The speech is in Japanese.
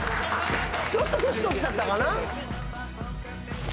ちょっと年取っちゃったかな。